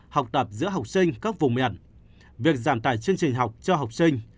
học tập giữa học sinh các vùng miệng việc giảm tài chương trình học cho học sinh